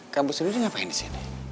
kamu sendiri ngapain disini